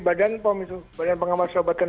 badan pak mitu badan pengamal sobatan